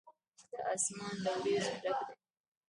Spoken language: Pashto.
دا آسمان له وريځو ډک دی.